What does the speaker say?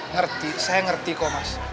ngerti saya ngerti kok mas